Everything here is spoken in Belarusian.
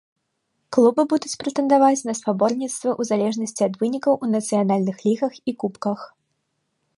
Клубы будуць прэтэндаваць на спаборніцтвы ў залежнасці ад вынікаў у нацыянальных лігах і кубках.